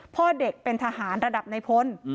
พ่อเด็กเป็นทหารระดับในพล